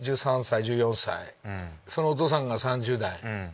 １３歳１４歳そのお父さんが３０代。